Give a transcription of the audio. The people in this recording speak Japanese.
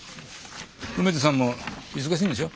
梅津さんも忙しいんでしょ？